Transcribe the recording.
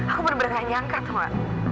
aku bener bener gak nyangka tuh ma